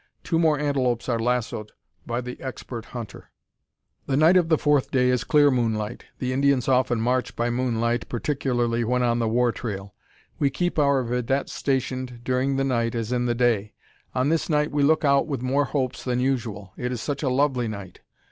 Two more antelopes are lassoed by the expert hunter. The night of the fourth day is clear moonlight. The Indians often march by moonlight, particularly when on the war trail. We keep our vidette stationed during the night as in the day. On this night we look out with more hopes than usual. It is such a lovely night!